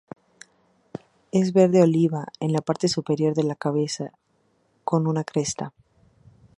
Es verde oliva en la parte superior y la cabeza, con una cresta.